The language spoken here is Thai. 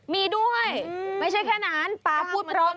มีด้วยไม่ใช่แค่นั้นป๊าพูดพร้อม